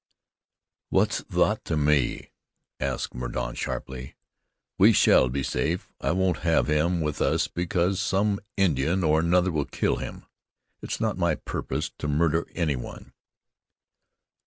"What's that to me?" asked Mordaunt sharply. "We shall be safe. I won't have him with us because some Indian or another will kill him. It's not my purpose to murder any one."